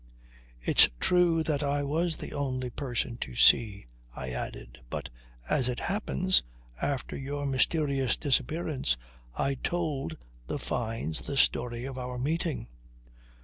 "It's true that I was the only person to see," I added. "But, as it happens, after your mysterious disappearance I told the Fynes the story of our meeting."